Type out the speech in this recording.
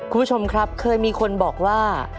คุณผู้ชมครับเคยมีคนบอกว่า